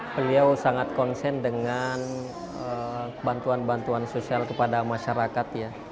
beliau sangat konsen dengan bantuan bantuan sosial kepada masyarakat ya